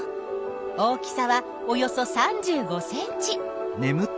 大きさはおよそ３５ｃｍ！